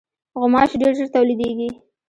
غوماشې ډېر ژر تولیدېږي.